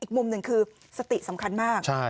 อีกมุมหนึ่งคือสติสำคัญมาก